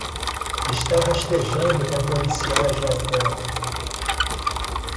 Está rastejando com policiais lá fora.